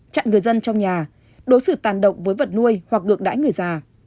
chặn người dân trong nhà đối xử tàn động với vật nuôi hoặc gượng đãi người già